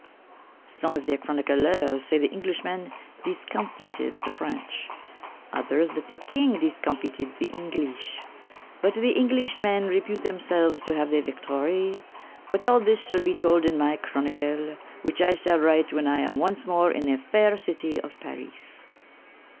Some of the chronyclers say the Englysshmen discomfyted the French; others that the King discomfyted the Englysshe; but the Englysshmen repute themselves to have the victorie; but all this shall be told in my chronycle, which I shall write when I am once more in the fayre cytie of Parys.